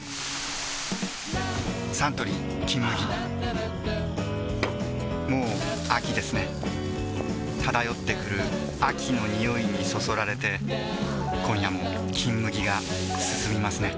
サントリー「金麦」もう秋ですね漂ってくる秋の匂いにそそられて今夜も「金麦」がすすみますね